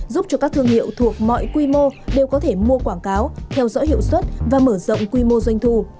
giúp cho các thương hiệu thuộc mọi quy mô đều có thể mua quảng cáo theo dõi hiệu suất và mở rộng quy mô doanh thu